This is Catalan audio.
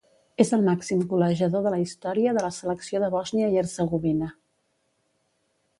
És el màxim golejador de la història de la selecció de Bòsnia i Hercegovina.